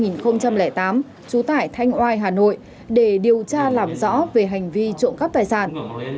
sinh năm hai nghìn tám trú tải thanh oai hà nội để điều tra làm rõ về hành vi trộm cắp tài sản